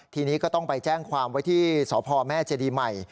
ทีนี้ก็ต้องไปแจ้งความไว้ที่สพแม่เจดีใหม่